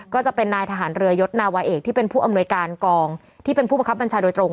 ก็จะเป็นนายทหารเรือยศนาวาเอกที่เป็นผู้อำนวยการกองที่เป็นผู้บังคับบัญชาโดยตรง